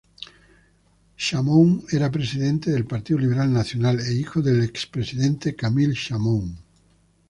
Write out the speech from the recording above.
Chamoun era presidente del Partido Liberal Nacional e hijo del expresidente Camille Chamoun.